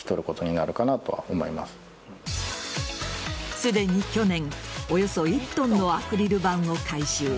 すでに去年およそ１ｔのアクリル板を回収。